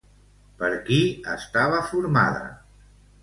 Per qui estava formada?